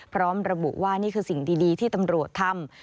พร้อมระบุว่านี่คือสิ่งดีที่ตำรวจทำ